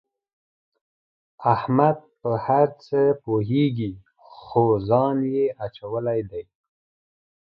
احمد په هر څه پوهېږي خو ځان یې اچولی دی.